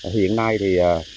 hiện nay thì